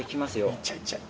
いっちゃえいっちゃえ。